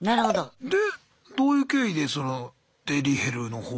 でどういう経緯でそのデリヘルの方へ。